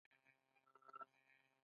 د انسان تخیل د ګډو همکاریو شبکه جوړه کړه.